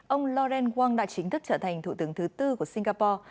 ông loren wang đã chính thức trở thành thủ tướng thứ tư của singapore